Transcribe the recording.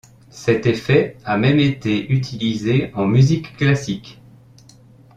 Cet effet a même été utilisé en musique classique.